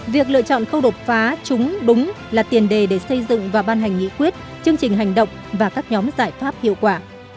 việc lựa chọn khâu đột phá chúng đúng là tiền đề để xây dựng và ban hành nghị quyết chương trình hành động và các nhóm giải pháp hiệu quả